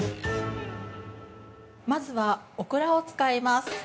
◆まずはオクラを使います。